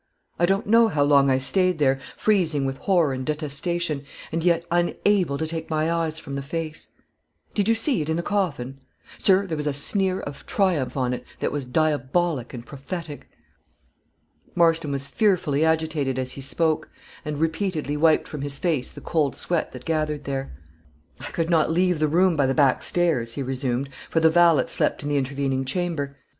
I don't know how long I stayed there, freezing with horror and detestation, and yet unable to take my eyes from the face. Did you see it in the coffin? Sir, there was a sneer of triumph on it that was diabolic and prophetic." Marston was fearfully agitated as he spoke, and repeatedly wiped from his face the cold sweat that gathered there. "I could not leave the room by the back stairs," he resumed, "for the valet slept in the intervening chamber.